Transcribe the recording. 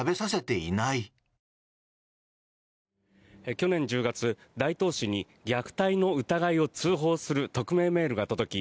去年１０月、大東市に虐待の疑いを通報する匿名メールが届き